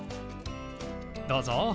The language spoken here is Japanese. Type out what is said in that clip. どうぞ。